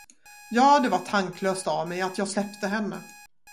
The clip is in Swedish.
Ja, det var tanklöst av mig att jag släppte henne.